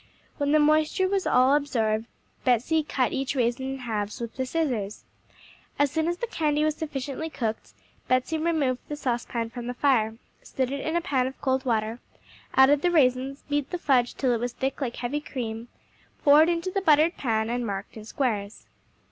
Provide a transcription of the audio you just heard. When the moisture was all absorbed, Betsey cut each raisin in halves with the scissors. As soon as the candy was sufficiently cooked Betsey removed the saucepan from the fire, stood it in a pan of cold water, added the raisins, beat the fudge till it was thick like heavy cream, poured into the buttered pan and marked in squares.